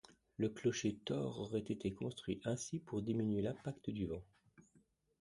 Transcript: Le clocher tors aurait été construit ainsi pour diminuer l'impact du vent.